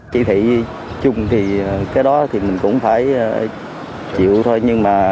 chỉ thị chung thì cái đó thì mình cũng phải chịu thôi nhưng mà